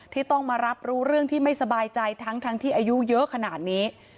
ที่ต้องมารับรู้เรื่องที่ไม่สบายใจทั้งที่อายุเยอะขนาดนี้